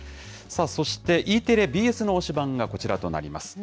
そして、Ｅテレ、ＢＳの推しバンがこちらとなります。